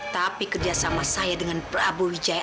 tapi kerjasama saya dengan prabu wijaya